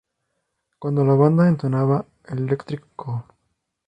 Cuando la banda entonaba "Electric Co.